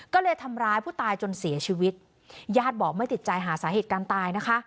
ก็เลยทำร้ายผู้ตายจนเสียชีวิตญาติบอกไม่ติดใจหาสาเหตุการณ์ตายนะคะ